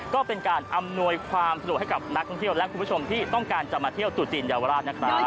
ก็เป็นการอำนวยความสะดวกให้กับนักท่องเที่ยวและคุณผู้ชมที่ต้องการจะมาเที่ยวตุจีนเยาวราชนะครับ